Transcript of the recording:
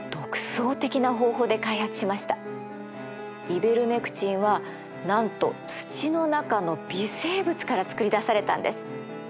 イベルメクチンはなんと土の中の微生物から作り出されたんです。